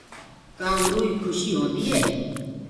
ڪآ اُروئو کُشي هوندي ئي